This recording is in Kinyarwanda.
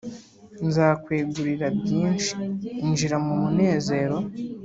nzakwegurira byinshi injira mu munezero